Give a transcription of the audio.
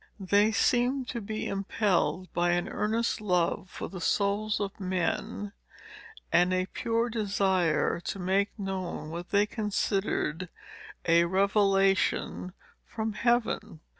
They seemed to be impelled by an earnest love for the souls of men, and a pure desire to make known what they considered a revelation from Heaven.